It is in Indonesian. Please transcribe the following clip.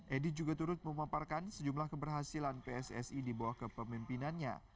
edi juga turut memaparkan sejumlah keberhasilan pssi di bawah kepemimpinannya